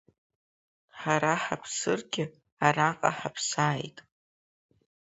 Ҳара ҳаԥсыргьы, араҟа ҳаԥсааит!